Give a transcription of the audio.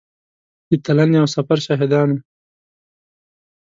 د تلنې او سفر شاهدان وو.